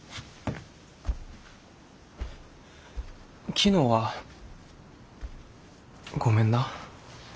昨日はごめんな。